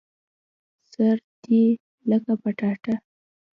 سر دي لکه پټاټه